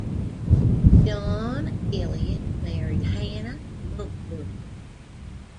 John Eliot married Hanna Mumford.